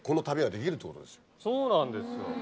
そうなんですよ。